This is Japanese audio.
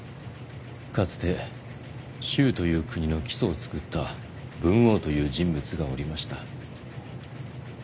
かつて周という国の基礎をつくった文王という人物がおりました。